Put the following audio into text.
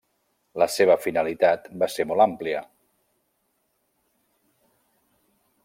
La seva finalitat va ser molt àmplia.